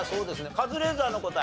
カズレーザーの答え。